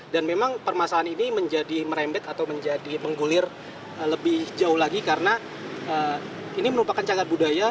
dan memang permasalahan ini menjadi merembet atau menjadi menggulir lebih jauh lagi karena ini merupakan cagar budaya